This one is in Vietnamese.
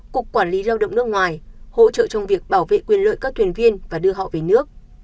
cục quản lý lao động nước ngoài hỗ trợ trong việc bảo vệ quyền lợi các thuyền viên và đưa họ về nước